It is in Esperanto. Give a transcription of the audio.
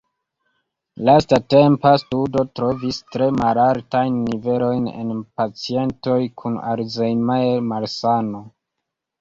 Lastatempa studo trovis tre malaltajn nivelojn en pacientoj kun Alzheimer-malsano.